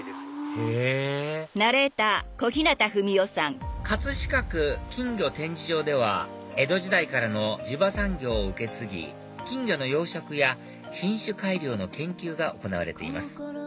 へぇ飾区金魚展示場では江戸時代からの地場産業を受け継ぎ金魚の養殖や品種改良の研究が行われています